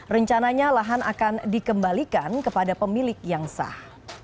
rencananya lahan akan dikembalikan kepada pemilik yang sah